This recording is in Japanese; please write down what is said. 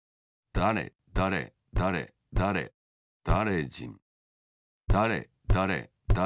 だれだれだれだれだれじん。